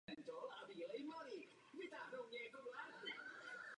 Na konci večírku se Camille vrací do minulosti.